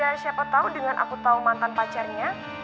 siapa tahu dengan aku tahu mantan pacarnya